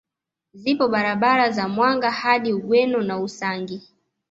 Zipo barabara za Mwanga hadi Ugweno na Usangi